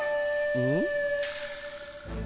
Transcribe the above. うん？